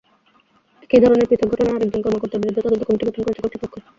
একই ধরনের পৃথক ঘটনায় আরেকজন কর্মকর্তার বিরুদ্ধে তদন্ত কমিটি গঠন করেছে কর্তৃপক্ষ।